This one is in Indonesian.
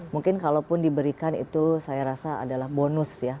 mungkin kalaupun diberikan itu saya rasa adalah bonus ya